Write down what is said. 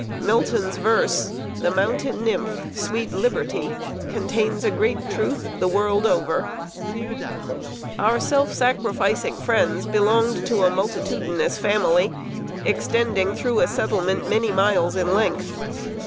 Milton's verse "The mountain nymph, sweet Liberty," contains a great truth, the world over. [Sidenote: A LEVEE IN A BARN.] Our self sacrificing friends belonged to a multitudinous family, extending through a settlement many miles in length.